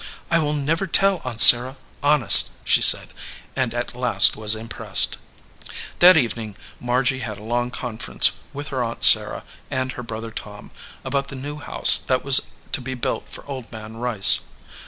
"I will never tell, Aunt Sarah, honest," she said, and at last was impressed. That evening Margy had a long conference with her aunt Sarah and her brother Tom about the new house that was to be built for Old Man Rice.